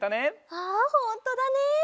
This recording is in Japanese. あほんとだね！